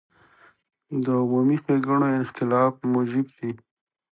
د عمومي ښېګڼو اختلاف موجب شي.